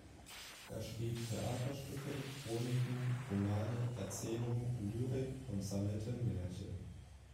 Er schrieb Theaterstücke, Chroniken, Romane, Erzählungen, Lyrik und sammelte Märchen.